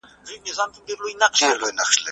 هیڅوک نسي کولای هغه را وګرځوي.